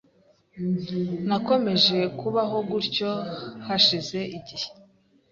Nakomeje kubaho gutyo hashize igihe